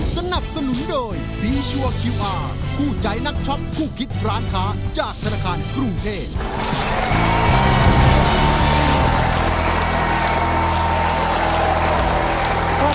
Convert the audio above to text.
สนับสนุนโดยฟีชัวร์คิวอาร์คู่ใจนักช็อปคู่คิดร้านค้าจากธนาคารกรุงเทพ